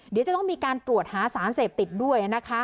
เดี๋ยวจะต้องมีการตรวจหาสารเสพติดด้วยนะคะ